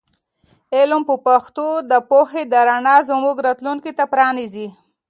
علم په پښتو د پوهې د رڼا زموږ راتلونکي ته پرانیزي.